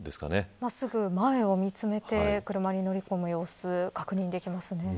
真っすぐ前を見つめて車に乗り込む様子確認できますね。